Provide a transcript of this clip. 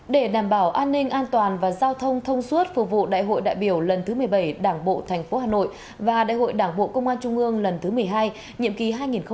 để đảm bảo an ninh an toàn và giao thông thông suốt phục vụ đại hội đại biểu lần thứ một mươi bảy đảng bộ tp hà nội và đại hội đảng bộ công an trung ương lần thứ một mươi hai nhiệm kỳ hai nghìn hai mươi hai nghìn hai mươi năm